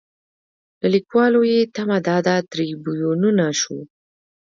له لیکوالو یې تمه دا ده تریبیونونه شو.